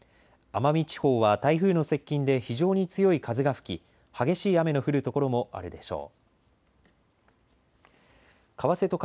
奄美地方は台風の接近で非常に強い風が吹き激しい雨の降る所もあるでしょう。